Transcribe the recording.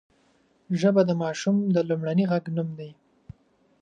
ژبه د ماشوم د لومړني غږ نوم دی